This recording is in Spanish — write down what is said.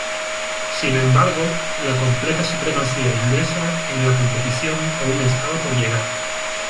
Sin embargo, la completa supremacía inglesa en la competición aún estaba por llegar.